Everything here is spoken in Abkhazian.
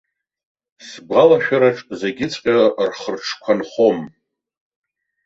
Сгәалашәараҿ зегьыҵәҟьа рхырҿқәа нхом.